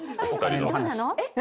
どうなの？